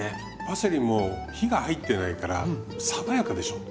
パセリも火が入ってないから爽やかでしょ？